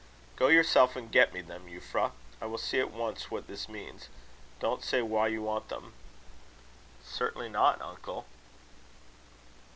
"Go yourself and get me them, Euphra. I will see at once what this means. Don't say why you want them." "Certainly not, uncle."